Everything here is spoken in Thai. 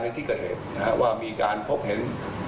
ที่เกิดเหตุว่ามีการพบเห็น